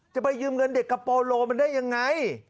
จะไปยืมเงินเด็กกับโปโลมันได้ยังไง